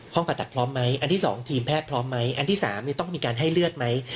ผ่าตัดพร้อมไหมอันที่๒ทีมแพทย์พร้อมไหมอันที่๓ต้องมีการให้เลือดไหม